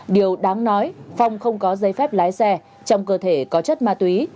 điều đáng nói phong không có giấy phép lái xe trong cơ thể có chất ma túy